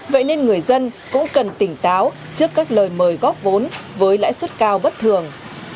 vậy nên người dân cũng cần tỉnh táo trước các lời mời góp vốn với lãi suất cao bất thường